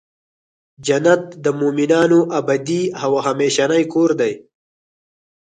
جنت د مؤمنانو ابدې او همیشنی کور دی .